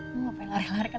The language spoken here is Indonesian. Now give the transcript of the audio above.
kamu ngapain lari larikan